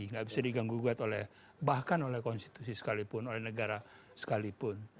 nggak bisa diganggu gugat oleh bahkan oleh konstitusi sekalipun oleh negara sekalipun